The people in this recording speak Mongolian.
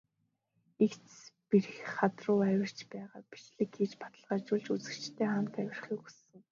Эгц бэрх хад руу авирч байхдаа бичлэг хийж, баталгаажуулж, үзэгчидтэйгээ хамт авирахыг хүссэн.